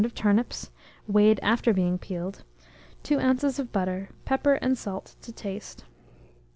of turnips, weighed after being peeled, 2 oz. of butter, pepper and salt to taste.